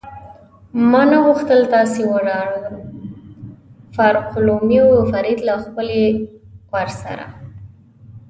ما نه غوښتل تاسې وډاروم، فاروقلومیو فرید له خپلې ورسره.